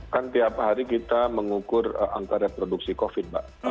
kan tiap hari kita mengukur angka reproduksi covid mbak